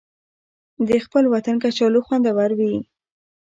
د خپل وطن کچالو خوندور وي